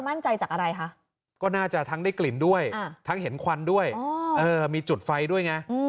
มั่นใจจากอะไรคะก็น่าจะทั้งได้กลิ่นด้วยทั้งเห็นควันด้วยมีจุดไฟด้วยไง